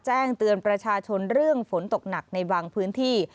แจ้งเตือนประชาชนเรื่องฝนตกหนักในบางพื้นที่